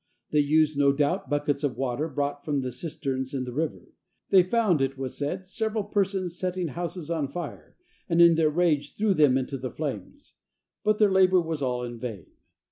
They used, no doubt, buckets of water brought from the cisterns and the river. They found, it was said, several persons setting houses on fire, and in their rage threw them into the flames. But their labor was all in vain.